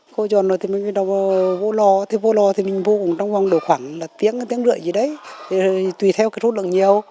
thì mình bắt đầu vô lò vô lò thì mình vô cùng trong vòng khoảng tiếng tiếng rưỡi gì đấy tùy theo cái rốt lượng nhiều